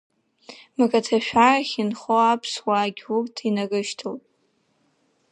Мраҭашәарахь инхо аԥсуаагь урҭ инарышьҭалеит.